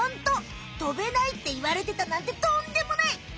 「とべない」っていわれてたなんてとんでもない！